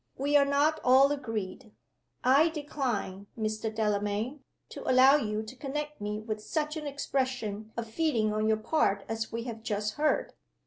"We are not all agreed. I decline, Mr. Delamayn, to allow you to connect me with such an expression of feeling on your part as we have just heard.